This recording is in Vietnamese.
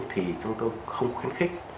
thì chúng tôi không khuyến khích